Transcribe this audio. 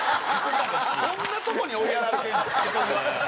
そんなとこに追いやられてんねん。